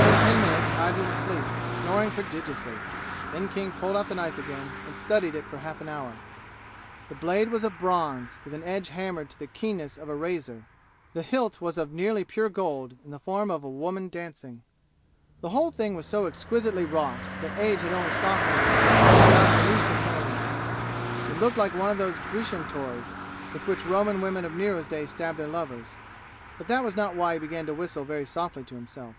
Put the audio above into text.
Within ten minutes Hyde was asleep, snoring prodigiously. Then King pulled out the knife again and studied it for half an hour. The blade was of bronze, with an edge hammered to the keenness of a razor. The hilt was of nearly pure gold, in the form of a woman dancing. The whole thing was so exquisitely wrought that age had only softened the lines, without in the least impairing them. It looked like one of those Grecian toys with which Roman women of Nero's day stabbed their lovers. But that was not why he began to whistle very softly to himself.